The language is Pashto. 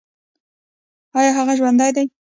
ایا هغه ژوندی دی؟